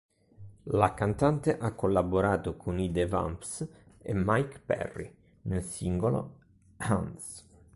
La cantante ha collaborato con i The Vamps e Mike Perry nel singolo Hands.